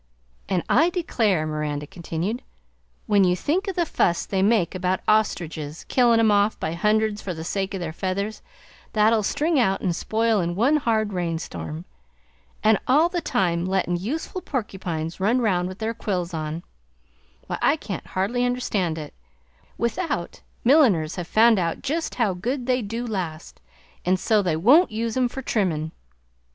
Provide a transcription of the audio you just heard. "And I declare," Miranda continued, "when you think o' the fuss they make about ostriches, killin' em off by hundreds for the sake o' their feathers that'll string out and spoil in one hard rainstorm, an' all the time lettin' useful porcupines run round with their quills on, why I can't hardly understand it, without milliners have found out jest how good they do last, an' so they won't use em for trimmin'.